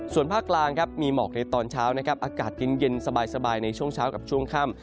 ส่วนภาคกลางครับมีหมอกในตอนเช้านะครับอากาศเย็นสบายในช่วงเช้ากับช่วงค่ำ